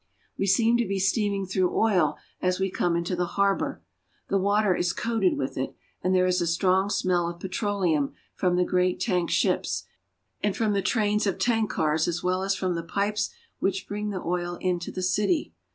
We seem to be steaming through oil as we come into the harbor. The water is coated with it, and there is a strong smell of petroleum from the great tank ships, and from the trains of tank cars as well as from the pipes which bring the oil into the city.